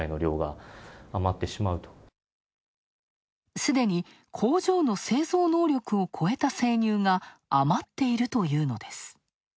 すでに、工場の製造能力を超えた生乳が、余っているというのです。